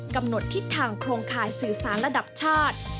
กำหนดทิศทางโครงข่ายสื่อสารระดับชาติ